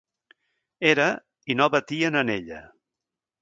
Era... i no batien en ella.